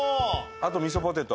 あとみそポテト。